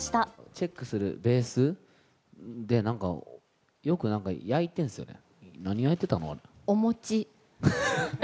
チェックするスペースで、なんか、よくなんか焼いてるんですよね。